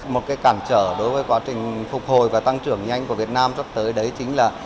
một cái cản trở đối với quá trình phục hồi và tăng trưởng nhanh của việt nam sắp tới đấy chính là